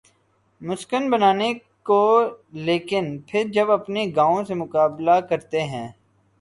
مسکن بنانے کو لیکن پھر جب اپنے گاؤں سے مقابلہ کرتے ہیں۔